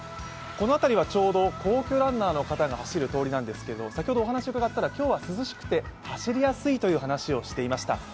この辺りはちょうど皇居ランナーの方が走る通りなんですが先ほどお話を伺ったら、今日は涼しくて走りやすいという話をしていました。